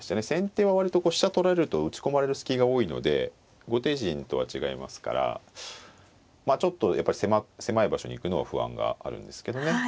先手は割と飛車取られると打ち込まれる隙が多いので後手陣とは違いますからまあちょっとやっぱり狭い場所に行くのは不安があるんですけどね。